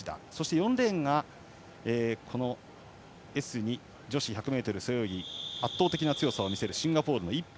４レーンがＳ２女子１００ｍ背泳ぎで圧倒的な強さを見せるシンガポールのイップ。